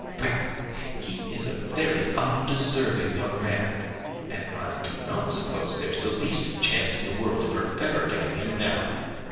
Well, he is a very undeserving young man and I do not suppose there is the least chance in the world of her ever getting him now.